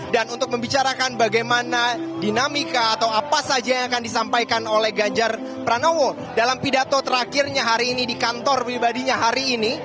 dan untuk membicarakan bagaimana dinamika atau apa saja yang akan disampaikan oleh ganjar pranowo dalam pidato terakhirnya hari ini di kantor pribadinya hari ini